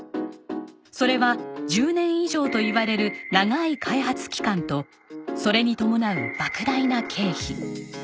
それは１０年以上といわれる長い開発期間とそれに伴う莫大な経費。